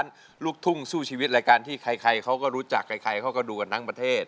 เพื่อให้ร้านลูกทุ่งสู้ชีวิตที่ใครเขาก็รู้จักใครเลยเขาก็ดูกับทั้งประเทศ